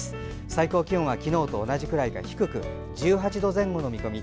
最高気温は昨日と同じくらいか低く、１８度前後の見込み。